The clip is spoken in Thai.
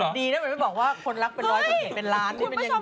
ดีนะไม่บอกว่าคนรักเป็นร้อยคนเห็นเป็นล้าน